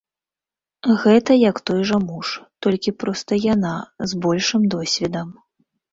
Гэта як той жа муж, толькі проста яна з большым досведам.